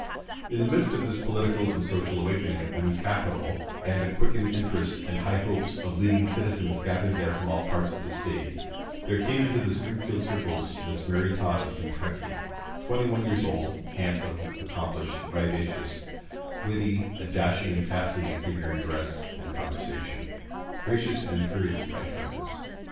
In the midst of this political and social awakening of the new capital and the quickened interest and high hopes of leading citizens gathered there from all parts of the State, there came into the Springfield circles Miss Mary Todd of Kentucky, twenty one years old, handsome, accomplished, vivacious, witty, a dashing and fascinating figure in dress and conversation, gracious and imperious by turns.